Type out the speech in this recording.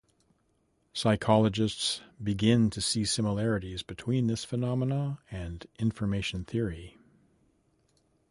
Psychologists began to see similarities between this phenomenon and Information Theory.